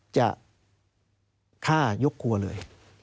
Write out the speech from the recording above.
จะฆ่ายกครัวเลย